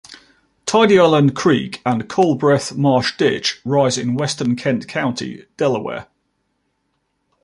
Tidy Island Creek and Culbreth Marsh Ditch rise in western Kent County, Delaware.